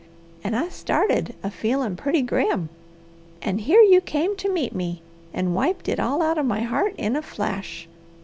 And I started a feelin' pretty grim, and here you came to meet me, and wiped it all out of my heart in a flash.